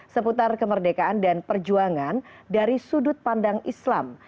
seputar kemerdekaan dan perjuangan dari sudut pandang islam